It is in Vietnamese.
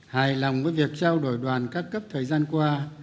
hài lòng với việc trao đổi đoàn các cấp thời gian qua